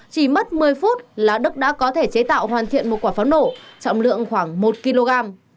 chỉ mất một mươi phút là đức đã có thể chế tạo hoàn thiện một quả pháo nổ trọng lượng khoảng một kg